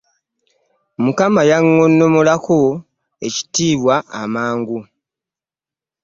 Mukama yangonnomolako ebitiibwa amangu.